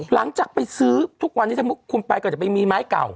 หลังจากไปซื้อทุกวันนี้ถ้ามุติคุณไปก็จะไปมีไม้เก่า